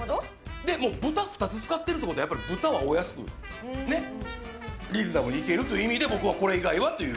もう豚２つ使っているということは豚はお安くね、リーズナブルにいけるという意味で、これ以外はという。